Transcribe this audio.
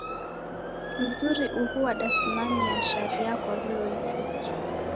Mzuri uhu wadasimamia sharia kwa wuloli tiki.